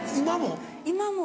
今も？